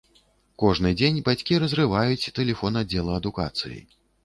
Кожны дзень бацькі разрываюць тэлефон аддзела адукацыі.